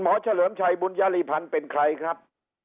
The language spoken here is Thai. เฉลิมชัยบุญญาลีพันธ์เป็นใครครับ